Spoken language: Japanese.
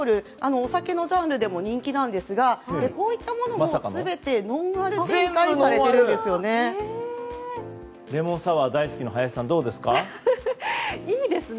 お酒のジャンルでも人気ですがこういったものも全てノンアル展開にされているんですよね。